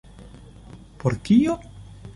Por kio?